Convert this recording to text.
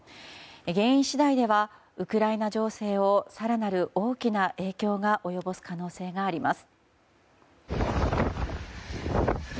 原因次第ではウクライナ情勢を更なる大きな影響が及ぼす可能性があります。